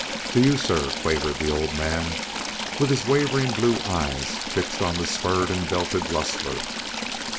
"To you, sir," quavered the old man, with his wavering blue eyes fixed on the spurred and belted rustler.